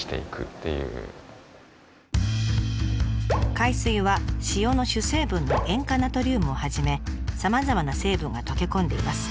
海水は塩の主成分の塩化ナトリウムをはじめさまざまな成分が溶け込んでいます。